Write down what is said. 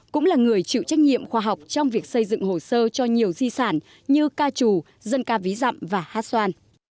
cũng là người chịu trách nhiệm khoa học trong việc xây dựng hồ sơ cho nhiều di sản như ca trù dân ca ví dặm và hát xoan